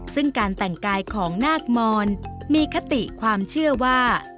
ซึ่งการแต่งกายของนาคมอนมีคติความเชื่อว่า